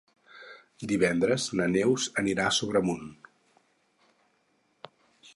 Divendres na Neus anirà a Sobremunt.